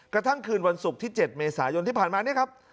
กระทั่งคืนวันศุกร์ที่๗เมษายนที่ผ่านมานี่ครับ